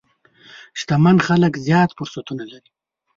شتمن خلک زیات فرصتونه لري.